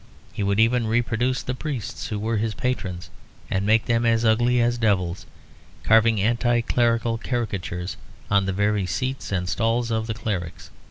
He would even reproduce the priests who were his patrons and make them as ugly as devils; carving anti clerical caricatures on the very seats and stalls of the clerics.